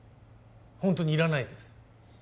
ホントにいらないです